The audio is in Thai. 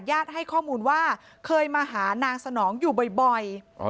ให้ข้อมูลว่าเคยมาหานางสนองอยู่บ่อย